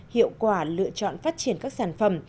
hiệu quả lựa chọn phát triển các sản phẩm